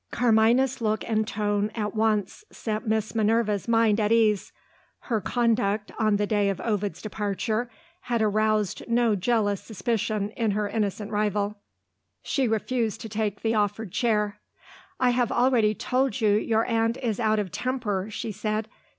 Carmina's look and tone at once set Miss Minerva's mind at ease. Her conduct, on the day of Ovid's departure, had aroused no jealous suspicion in her innocent rival. She refused to take the offered chair. "I have already told you your aunt is out of temper," she said.